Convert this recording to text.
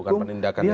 ya bukan penindakan ya